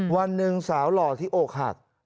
วันหนึ่งสาวหล่อที่อกหัก